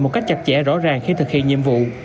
một cách chặt chẽ rõ ràng khi thực hiện nhiệm vụ